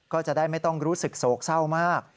ก็จะได้ไม่ต้องรู้สึกโศกเศร้ามาก